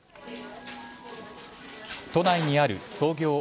都内にある創業